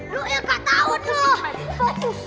nuh ya kak tau tuh